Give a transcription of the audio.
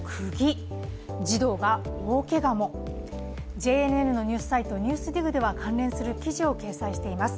ＪＮＮのニュースサイト「ＮＥＷＳＤＩＧ」では関連する記事を掲載しています。